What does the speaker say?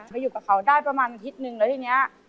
มาอยู่กับเขาได้ประมาณอาทิตย์หนึ่งแล้วทีนี้